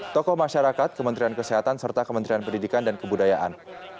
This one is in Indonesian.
tokoh masyarakat kementerian kesehatan serta kementerian pendidikan dan kebudayaan